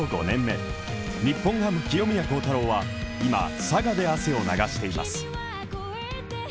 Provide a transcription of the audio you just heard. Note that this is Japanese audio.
５年目日本ハム・清宮幸太郎は佐賀で汗を流しています。